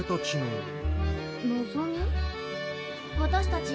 私たち。